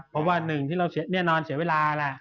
เพราะว่าหนึ่งคติว่านอนเศรษฐังเวลา